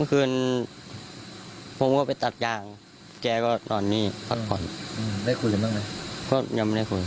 ก็ยังไม่ได้คุย